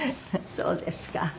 そうですか。